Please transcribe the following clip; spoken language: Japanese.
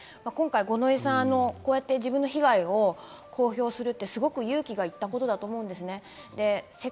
五ノ井さん、今回自分の被害を公表するってすごく勇気がいることだと思うんです。